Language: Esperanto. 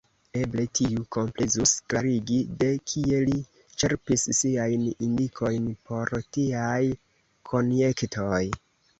Eble tiu komplezus klarigi, de kie li ĉerpis siajn indikojn por tiaj konjektoj.